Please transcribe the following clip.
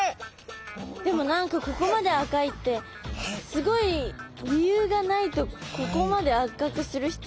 でも何かここまで赤いってすごい理由がないとここまで赤くする必要あります？って。